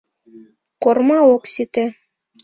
— Корма ок сите.